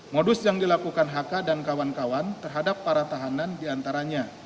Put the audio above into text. modus yang dilakukan hk dan kawan kawan terhadap para tahanan diantaranya